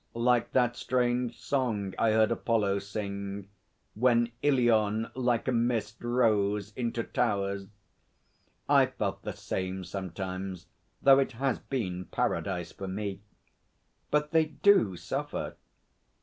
'"Like that strange song I heard Apollo sing: When Ilion like a mist rose into towers." I've felt the same sometimes, though it has been Paradise for me. But they do suffer.'